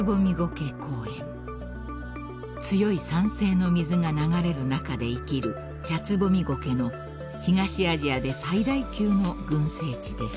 ［強い酸性の水が流れる中で生きるチャツボミゴケの東アジアで最大級の群生地です］